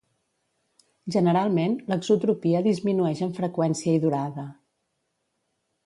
Generalment, l'exotropia disminueix en freqüència i durada.